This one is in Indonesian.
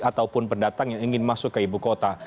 ataupun pendatang yang ingin masuk ke ibu kota